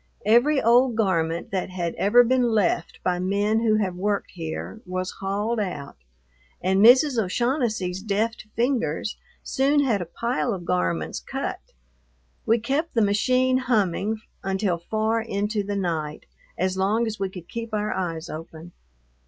Every old garment that had ever been left by men who have worked here was hauled out, and Mrs. O'Shaughnessy's deft fingers soon had a pile of garments cut. We kept the machine humming until far into the night, as long as we could keep our eyes open.